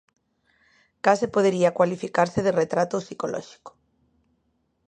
Case podería cualificarse de retrato psicolóxico.